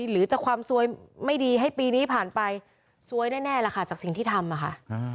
หรือจะความซวยไม่ดีให้ปีนี้ผ่านไปซวยแน่ล่ะค่ะจากสิ่งที่ทำอะค่ะ